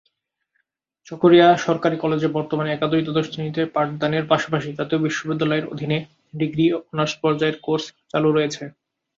চকরিয়া সরকারি কলেজে বর্তমানে একাদশ-দ্বাদশ শ্রেণীতে পাঠদানের পাশাপাশি জাতীয় বিশ্ববিদ্যালয়ের অধীনে ডিগ্রি ও অনার্স পর্যায়ের কোর্স চালু রয়েছে।